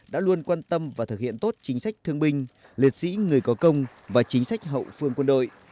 đã luôn quan tâm và thực hiện tốt chính sách thương binh liệt sĩ người có công và chính sách hậu phương quân đội